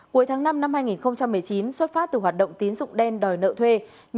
cuối tháng năm năm hai nghìn một mươi chín xuất phát từ hoạt động tín dụng đen đòi nợ thuê